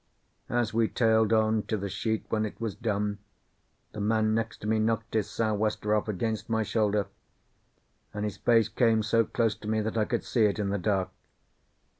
As we tailed on to the sheet when it was done, the man next me knocked his sou'wester off against my shoulder, and his face came so close to me that I could see it in the dark.